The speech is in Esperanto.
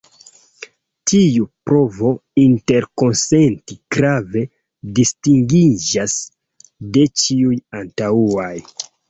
Tiu provo interkonsenti grave distingiĝas de ĉiuj antaŭaj.